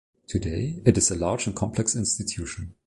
Today, it is a large and complex institution.